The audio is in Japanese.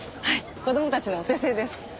子供たちのお手製です。